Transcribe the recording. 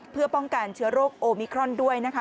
เพื่อป้องกันเชื้อโรคโอมิครอนด้วยนะคะ